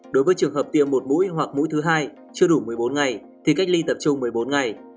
đối với trường hợp tiêm một mũi hoặc mũi thứ hai chưa đủ một mươi bốn ngày thì cách ly tập trung một mươi bốn ngày